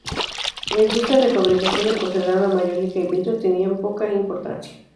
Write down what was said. La industria de fabricación de porcelana, mayólica y vidrio tenía poca importancia.